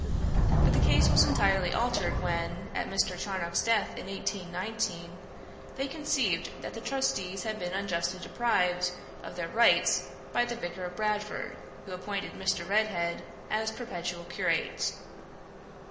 But the case was entirely altered when, at Mr. Charnock's death in 1819, they conceived that the trustees had been unjustly deprived of their rights by the Vicar of Bradford, who appointed Mr. Redhead as perpetual curate.